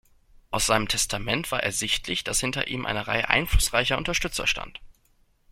Aus seinem Testament war ersichtlich, dass hinter ihm eine Reihe einflussreicher Unterstützer stand.